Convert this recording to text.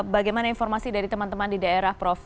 bagaimana informasi dari teman teman di daerah prof